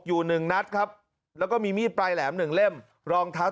อยู่หนึ่งนัดครับแล้วก็มีมีดปลายแหลมหนึ่งเล่มรองเท้า